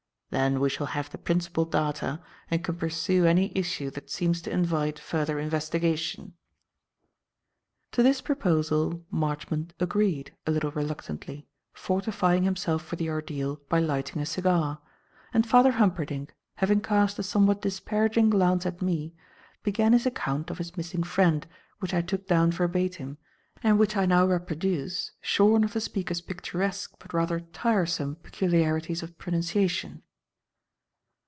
Then we shall have the principal data and can pursue any issue that seems to invite further investigation." To this proposal Marchmont agreed, a little reluctantly, fortifying himself for the ordeal by lighting a cigar; and Father Humperdinck, having cast a somewhat disparaging glance at me, began his account of his missing friend, which I took down verbatim, and which I now reproduce shorn of the speaker's picturesque but rather tiresome peculiarities of pronunciation.